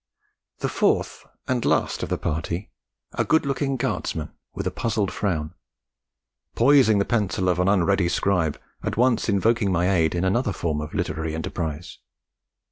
The fourth and last of the party, a good looking Guardsman with a puzzled frown, poising the pencil of an unready scribe, at once invoked my aid in another form of literary enterprise.